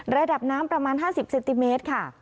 ระดับน้ำประมาณ๕๐เซนติเมตรค่ะ